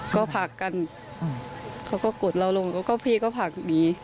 ก็ผลักกันเขาก็กดเราลงเขาก็พี่ก็ผลักหนี